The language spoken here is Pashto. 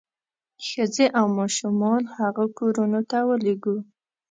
ښځې او ماشومان هغو کورونو ته ولېږو.